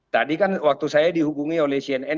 tadi kan waktu saya dihubungi oleh cnn